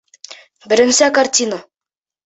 Беренсе картина